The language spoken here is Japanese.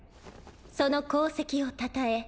その功績をたたえ